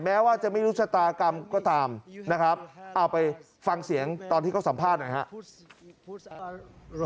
แม้ว่าจะไม่รู้ชะตากรรมก็ตามนะครับเอาไปฟังเสียงตอนที่เขาสัมภาษณ์หน่อยครับ